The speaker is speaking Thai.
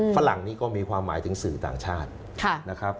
ฝรั่งนี้ก็มีความหมายถึงสื่อต่างชาตินะครับ